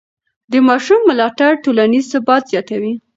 د ماشوم ملاتړ ټولنیز ثبات زیاتوي.